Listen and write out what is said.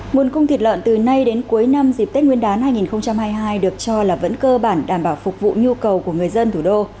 nguồn cung thịt lợn từ nay đến cuối năm dịp tết nguyên đán hai nghìn hai mươi hai được cho là vẫn cơ bản đảm bảo phục vụ nhu cầu của người dân thủ đô